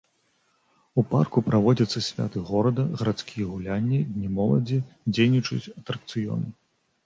У парку праводзяцца святы горада, гарадскія гулянні, дні моладзі, дзейнічаюць атракцыёны.